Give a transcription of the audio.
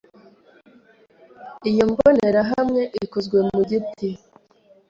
Iyi mbonerahamwe ikozwe mu giti.